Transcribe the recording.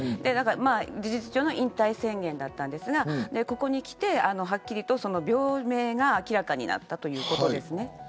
事実上の引退宣言だったんですがここにきて、はっきりと病名が明らかになったということです。